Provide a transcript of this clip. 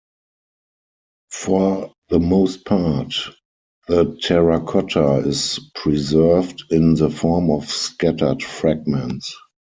For the most part, the terracotta is preserved in the form of scattered fragments.